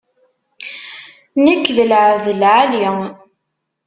Nekk d lεebd n lεali.